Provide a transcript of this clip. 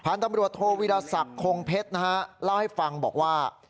ผ่านตำรวจโทรวิราศักดิ์โครงเพชรนะฮะเล่าให้ฟังบอกว่า